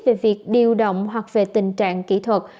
về việc điều động hoặc về tình trạng kỹ thuật